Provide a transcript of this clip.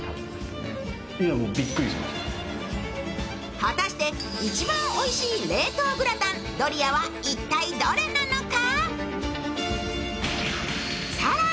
果たして一番おいしい冷凍グラタン、ドリアは一体どれなのか？